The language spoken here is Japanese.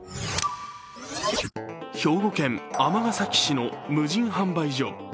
兵庫県尼崎市の無人販売所。